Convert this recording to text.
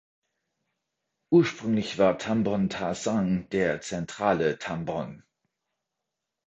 Ursprünglich war Tambon Ta Sang der zentrale "Tambon".